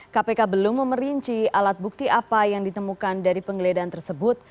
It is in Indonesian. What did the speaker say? kpk belum memerinci alat bukti apa yang ditemukan dari penggeledahan tersebut